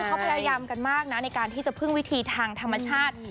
เขาพยายามกันมากนะในการที่จะพึ่งวิธีทางธรรมชาติ